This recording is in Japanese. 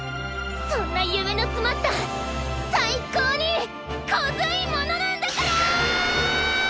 そんなゆめのつまったさいこうにコズいものなんだから！